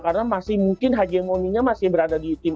karena masih mungkin hagemonynya masih berada di tim